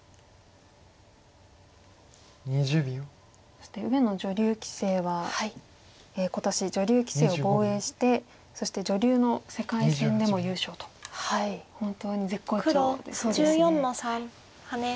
そして上野女流棋聖は今年女流棋聖を防衛してそして女流の世界戦でも優勝と本当に絶好調ですよね。